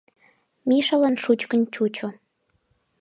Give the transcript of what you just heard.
Мишалан шучкын чучо.